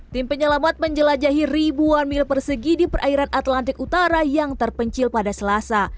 tim penyelamat menjelajahi ribuan mil persegi di perairan atlantik utara yang terpencil pada selasa